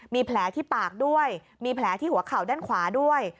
มีแผลที่ปากด้วยมีแผลที่หัวเข่าด้านขวาด้วย